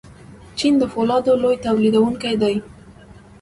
چین د فولادو لوی تولیدونکی دی.